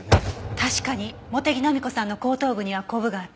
確かに茂手木浪子さんの後頭部にはこぶがあった。